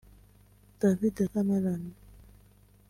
David Cameroon